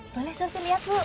boleh surti lihat bu